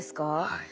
はい。